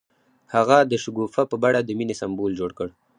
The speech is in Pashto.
هغه د شګوفه په بڼه د مینې سمبول جوړ کړ.